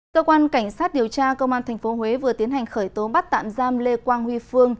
cơ quan cảnh sát điều tra công an tp huế vừa tiến hành khởi tố bắt tạm giam lê quang huy phương